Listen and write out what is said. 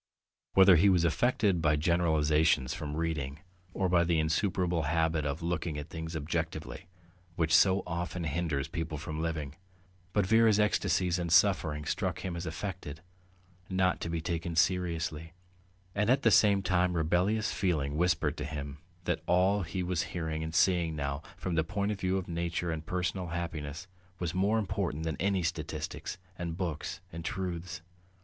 Whether he was affected by generalizations from reading or by the insuperable habit of looking at things objectively, which so often hinders people from living, but Vera's ecstasies and suffering struck him as affected, not to be taken seriously, and at the same time rebellious feeling whispered to him that all he was hearing and seeing now, from the point of view of nature and personal happiness, was more important than any statistics and books and truths.